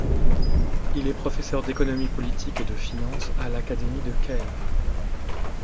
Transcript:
Il est professeur d'économie politique et de finances à l'Académie de Kehl.